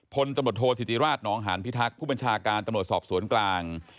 พลตำรวจโทษธิติราชนองหานพิทักษ์ผู้บัญชาการตำรวจสอบสวนกลาง